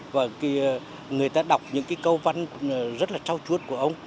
và người ta đọc những cái câu văn rất là trao chuốt của ông